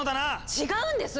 違うんです！